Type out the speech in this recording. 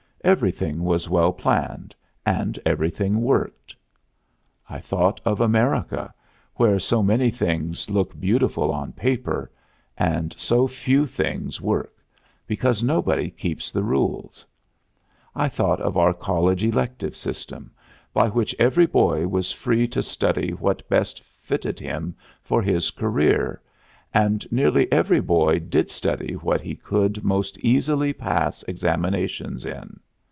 Everything was well planned and everything worked. I thought of America, where so many things look beautiful on paper and so few things work, because nobody keeps the rules. I thought of our college elective system, by which every boy was free to study what best fitted him for his career, and nearly every boy did study what he could most easily pass examinations in.